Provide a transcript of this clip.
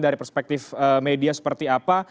dari perspektif media seperti apa